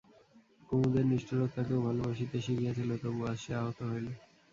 কুমুদের নিষ্ঠুরতাকেও ভালোবাসিতে শিখিয়াছিল, তবু আজ সে আহত হইল।